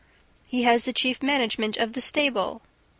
"He has the chief management of the stable."